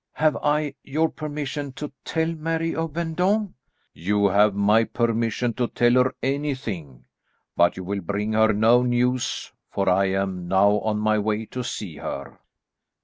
"Have I your permission to tell Mary of Vendôme?" "You have my permission to tell her anything, but you will bring her no news, for I am now on my way to see her."